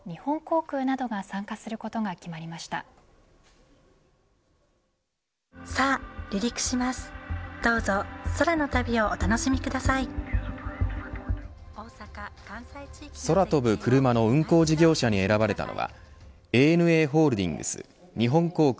空飛ぶクルマの運航事業者に選ばれたのはＡＮＡホールディングス日本航空